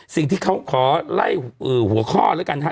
สิ่งที่เขาขอไล่หัวข้อแล้วกันฮะ